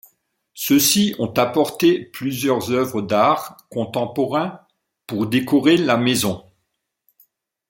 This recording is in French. Ceux-ci ont apporté plusieurs œuvres d'art contemporain pour décorer la maison.